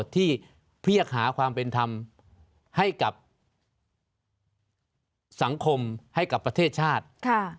ที่เพียกหาความเป็นธรรมให้กับสังคมให้กับประเทศชาติ